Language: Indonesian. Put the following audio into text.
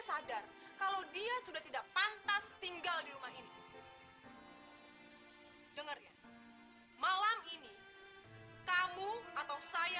sampai jumpa di video selanjutnya